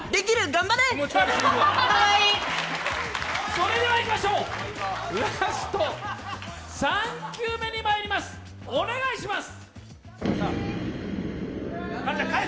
それではいきましょう、ラスト、３球目にまいります、お願いします。